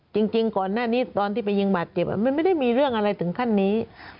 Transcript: จริงก่อนหน้านี้ตอนที่ไปยิงบาดเจ็บมันไม่ได้มีเรื่องอะไรถึงขั้นนี้